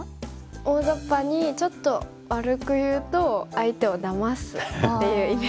大ざっぱにちょっと悪くいうと相手をだますっていうイメージありますかね。